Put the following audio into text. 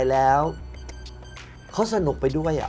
แมทโอปอล์